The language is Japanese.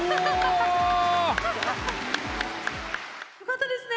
よかったですね！